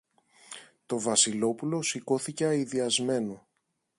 Το Βασιλόπουλο σηκώθηκε αηδιασμένο.